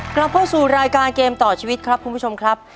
กลับเข้าสู่รายการเกมต่อชีวิตครับคุณผู้ชมครับ